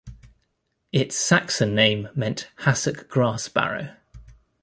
Its Saxon name meant hassock grass barrow.